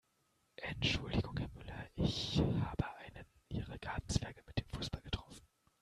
Entschuldigung Herr Müller, ich habe einen Ihrer Gartenzwerge mit dem Fußball getroffen.